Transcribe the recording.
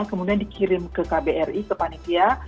kemudian dikirim ke kbri ke panitia